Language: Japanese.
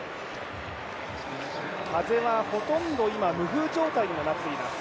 風はほとんど今、無風状態になっています。